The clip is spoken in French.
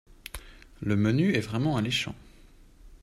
Le menu est vraiment alléchant.